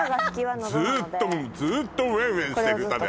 ずっとずっとウェイウェイしてる歌ね